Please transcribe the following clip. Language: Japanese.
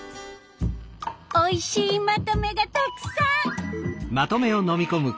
おいしいまとめがたくさん！